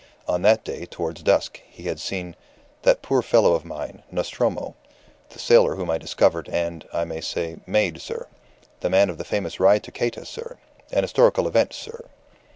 On that day, towards dusk, he had seen "that poor fellow of mine Nostromo. The sailor whom I discovered, and, I may say, made, sir. The man of the famous ride to Cayta, sir. An historical event, sir!"